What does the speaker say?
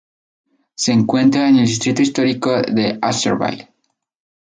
Se encuentra en el distrito histórico de Asheville.